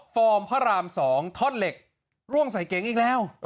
อ๊อฟอร์มพระรามสองทอดเหล็กร่วงใส่เก๋งอีกแล้ว